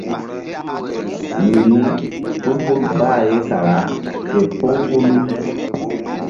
Mini tul hul bah ye kara képóŋ hulu.